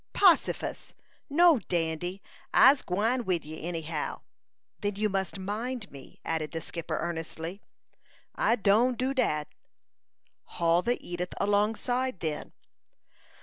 "Possifus! No, Dandy; I'se gwine wid you, any how." "Then you must mind me!" added the skipper, earnestly. "I done do dat." "Haul the Edith alongside, then."